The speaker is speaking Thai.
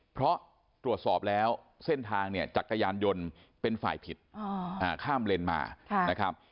เพราะตรวจสอบแล้วเส้นทางเนี่ยจักรยานยนต์เป็นฝ่ายผิดข้ามเลนมานะครับ